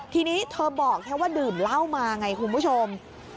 ทีนี้เธอบอกแค่ว่าดื่มเหล้ามาไงคุณผู้ชม